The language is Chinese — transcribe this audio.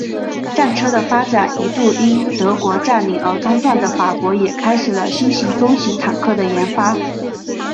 战车的发展一度因德国占领而中断的法国也开始了新型中型坦克的研发。